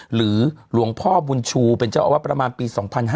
หรือหลวงพ่อบุญชูเป็นเจ้าอาวาสประมาณปี๒๕๕๙